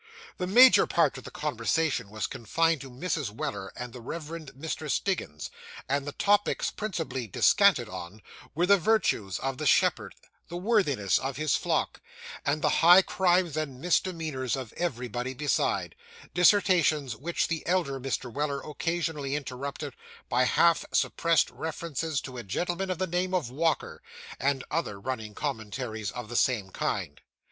The major part of the conversation was confined to Mrs. Weller and the reverend Mr. Stiggins; and the topics principally descanted on, were the virtues of the shepherd, the worthiness of his flock, and the high crimes and misdemeanours of everybody beside dissertations which the elder Mr. Weller occasionally interrupted by half suppressed references to a gentleman of the name of Walker, and other running commentaries of the same kind.